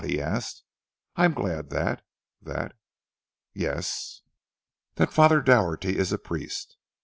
he asked. "I am glad that that " "Yes?" "That Father Doherty is a priest."